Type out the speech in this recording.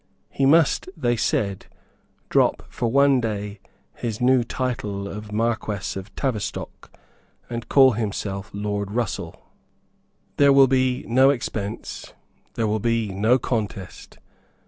He must, they said, drop, for one day, his new title of Marquess of Tavistock, and call himself Lord Russell. There will be no expense. There will be no contest.